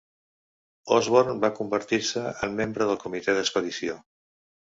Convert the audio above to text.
Osborn va convertir-se en membre del comitè d'expedició.